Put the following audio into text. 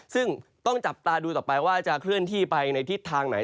ซึ่งต้องจับตาดูต่อไปว่าจะเคลื่อนที่ไปในทิศทางไหน